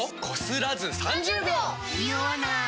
ニオわない！